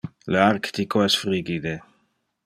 Le Arctico es frigide.